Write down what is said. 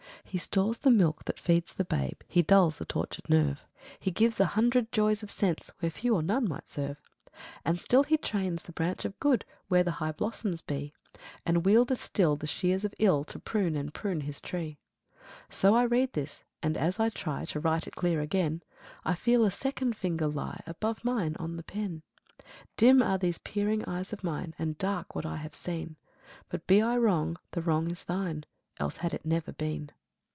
10. He stores the milk that feeds the babe, He dulls the tortured nerve; He gives a hundred joys of sense Where few or none might serve. 11. And still he trains the branch of good Where the high blossoms be, And wieldeth still the shears of ill To prune and prune His tree. 12. So read I this and as I try To write it clear again, I feel a second finger lie Above mine on the pen. 13. Dim are these peering eyes of mine, And dark what I have seen. But be I wrong, the wrong is Thine, Else had it never been.